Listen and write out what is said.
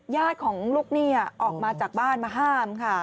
ญาติของลูกหนี้ออกมาจากบ้านมาห้ามค่ะ